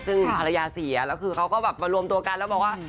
ซึ่งภรรยาเสียแล้วคือเขาก็แบบมารวมตัวกันแล้วบอกว่า